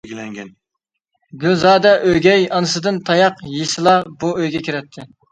گۈلزادە ئۆگەي ئانىسىدىن تاياق يېسىلا بۇ ئۆيگە كىرەتتى.